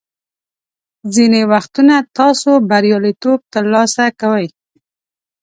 ځینې وختونه تاسو بریالیتوب ترلاسه کوئ.